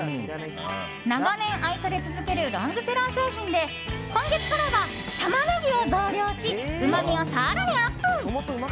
長年愛され続けるロングセラー商品で今月からはタマネギを増量しうまみを更にアップ。